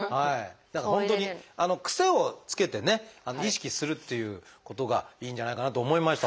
だから本当に癖をつけてね意識するっていうことがいいんじゃないかなと思いました。